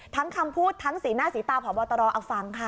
ทั้งคำพูดทั้งสีหน้าสีตาวผ่าเบาตรเอาฟังค่ะ